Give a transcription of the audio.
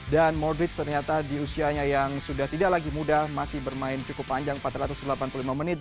dan modric ternyata di usianya yang sudah tidak lagi muda masih bermain cukup panjang empat ratus delapan puluh lima menit